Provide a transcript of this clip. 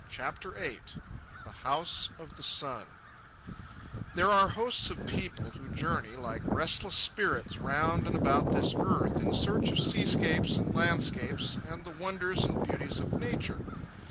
CHAPTER VIII THE HOUSE OF THE SUN There are hosts of people who journey like restless spirits round and about this earth in search of seascapes and landscapes and the wonders and beauties of nature.